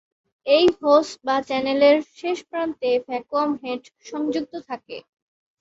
এই হোস বা চ্যানেলের শেষ প্রান্তে ভ্যাকুয়াম হেড সংযুক্ত থাকে।